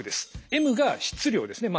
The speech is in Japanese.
ｍが質量ですね。